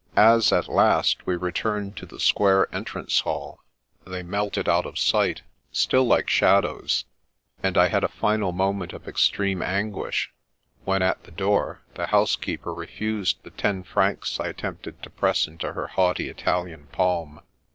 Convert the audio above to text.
As, at last, we returned to the square entrance hall, they melted out of sight, still like shadows, and I had a final moment of ex treme anguish when, at the door, the housekeeper refused the ten francs I attempted to press into her haughty Italian palm.